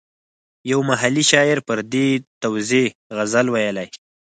یو محلي شاعر پر دې توزېع غزل ویلی.